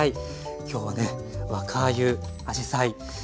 今日はね若あゆあじさい